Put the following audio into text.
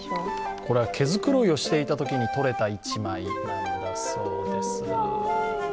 これは毛繕いをしていたときに撮れた一枚なんだそうです。